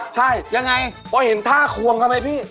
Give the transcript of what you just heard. อ๋อใช่ยังไงครับเพราะเห็นท่าควงกันไหมพี่